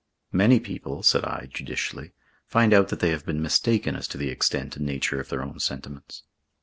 "Many people," said I, judicially, "find out that they have been mistaken as to the extent and nature of their own sentiments."